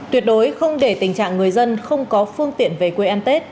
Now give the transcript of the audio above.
tuyệt đối không để tình trạng người dân không có phương tiện về quê ăn tết